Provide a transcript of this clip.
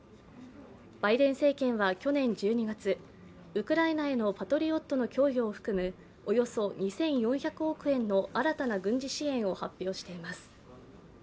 バイデン政権は去年１２月、ウクライナへのパトリオットの供与を含むおよそ２４００億円の新たな軍事支援を発表しています。